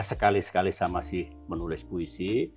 sekali sekali saya masih menulis puisi